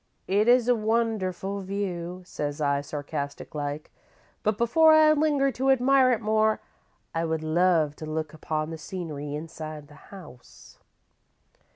"'It is a wonderful view,' says I, sarcastic like, 'but before I linger to admire it more, I would love to look upon the scenery inside the house.'